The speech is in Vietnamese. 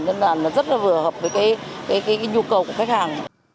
nên là nó rất là phù hợp với cái nhu cầu của khách hàng